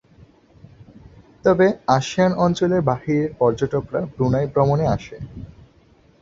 তবে আসিয়ান অঞ্চলের বাহিরের পর্যটকরা ব্রুনাই ভ্রমণে আসে।